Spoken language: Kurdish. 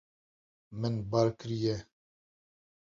Min bar kiriye.